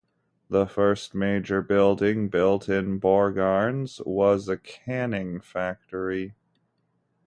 The first major building built in Borgarnes was a canning factory.